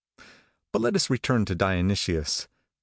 "But let us return to Dionysius.